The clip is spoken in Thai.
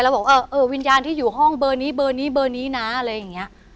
แล้วบอกเออวิญญาณที่อยู่ห้องเบอร์นี้เบอร์นี้เบอร์นี้นะอะไรอย่างนี้